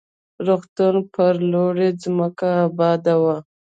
روغتون پر لوړه ځمکه اباد و.